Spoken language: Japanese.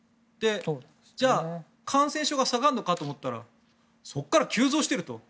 じゃあ感染症が下がるのかと思ったらそこから急増していると。